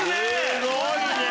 すごいね！